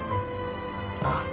ああ。